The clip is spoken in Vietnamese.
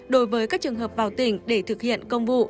đối với các trường hợp vào tỉnh để thực hiện công vụ